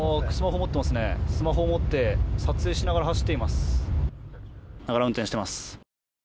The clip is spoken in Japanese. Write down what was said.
スマホを持って撮影しながら走っています。